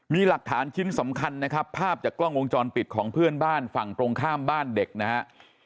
มีหลักฐานชิ้นสำคัญนะครับภาพจากกล้องวงจรปิดของเพื่อนบ้านฝั่งตรงข้ามบ้านเด็กนะฮะ